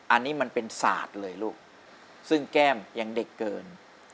อันนี้มันเป็นศาสตร์เลยลูกซึ่งแก้มยังเด็กเกิน